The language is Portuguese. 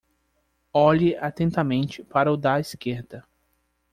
Olhe atentamente para o da esquerda.